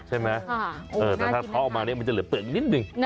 ใช่ไหมแต่ถ้าเท้าออกมาเนี่ยมันจะเหลือเปลือกอีกนิดนึง